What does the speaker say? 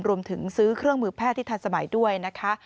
รวมถึงซื้อเครื่องมือแพทย์ที่ทันสมัยด้วยนะคะ